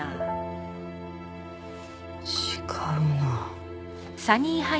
違うな。